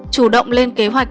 chủ động lên kế hoạch